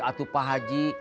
atuh pak haji